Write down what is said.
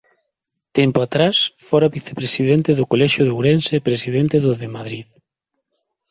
Tempo atrás fora vicepresidente do Colexio de Ourense e Presidente do de Madrid.